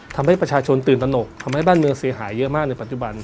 ทำให้ประชาชนตื่นตนกทำให้บ้านเมืองเสียหายเยอะมากในปัจจุบัน